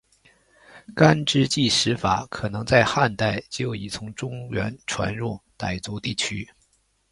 干支纪时法可能在汉代就已从中原传入傣族地区。